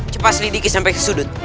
cepat selidiki sampai ke sudut